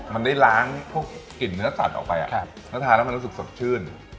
มันได้ล้างพวกกลิ่นเนื้อสัตว์ออกไปแล้วทานแล้วมันรู้สึกสดชื่น